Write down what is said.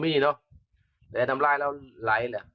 ผมไม่เห็นเนอะแต่น้ำร้ายแล้วไหล